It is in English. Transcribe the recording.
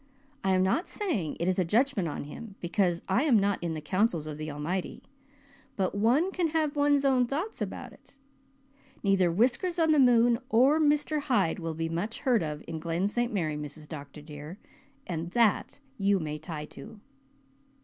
I am not saying it is a judgment on him, because I am not in the counsels of the Almighty, but one can have one's own thoughts about it. Neither Whiskers on the moon or Mr. Hyde will be much more heard of in Glen St. Mary, Mrs. Dr. dear, and that you may tie to."